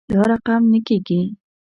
دا رقم نه کیږي